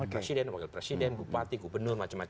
presiden wakil presiden bupati gubernur macam macam